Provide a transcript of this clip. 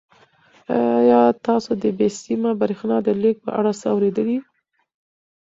آیا تاسو د بې سیمه بریښنا د لېږد په اړه څه اورېدلي؟